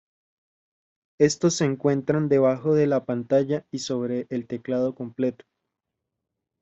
Estos se encuentran debajo de la pantalla y sobre el teclado completo.